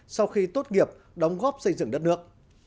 sau khi tốt nghiệp đóng góp xây dựng đất nước